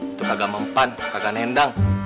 itu kagak mempan kagak nendang